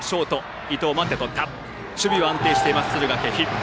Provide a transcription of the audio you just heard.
守備は安定している敦賀気比。